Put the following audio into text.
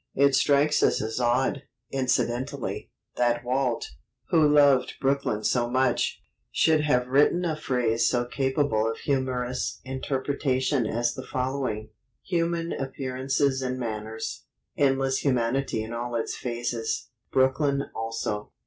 It strikes us as odd, incidentally, that Walt, who loved Brooklyn so much, should have written a phrase so capable of humorous interpretation as the following: "Human appearances and manners endless humanity in all its phases Brooklyn also."